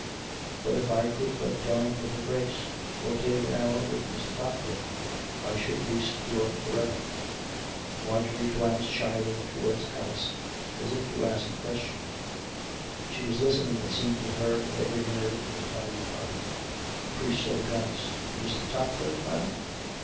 But if I could but dine with her Grace, or take an hour with Mr. TopcliflFe, I should be secure for ever." COME RACK! COME ROPE! 151 Marjorie glanced shyly towards Alice, as i£ to ask a question. (She was listening, it seemed to her, with every nerve in her tired body.) The priest saw the glance. " Mr. Topcliffe, madam.''